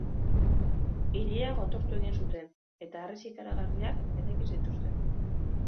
Hiria gotortu egin zuten, eta harresi ikaragarriak eraiki zituzten.